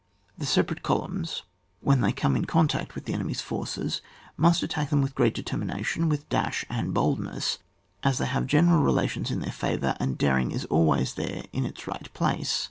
(3.) The separate columns when they come in contact with the enemy's forces must attack them with great determina tion, with dash and boldness, as they have general relations in their favour, and daring is always there in its right place.